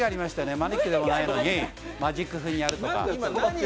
マジックでもないのにマジック風にやるのが。